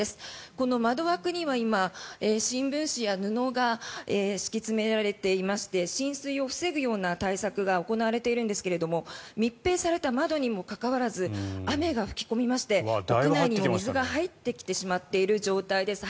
この窓枠には今、新聞紙や布が敷き詰められていまして浸水を防ぐような対策が行われているんですが密閉された窓にもかかわらず雨が吹き込みまして屋内にも水が入ってきてしまっている状況です。